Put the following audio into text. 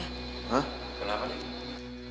hah kenapa nih